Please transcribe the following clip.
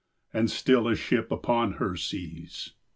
And still, a ship upon her seas.